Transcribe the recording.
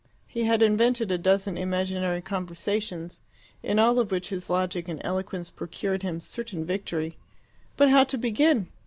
He had invented a dozen imaginary conversations, in all of which his logic and eloquence procured him certain victory. But how to begin?